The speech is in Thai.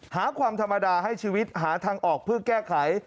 หาความธรรมดาให้ชีวิตหาทางออกเพื่อแก้ไข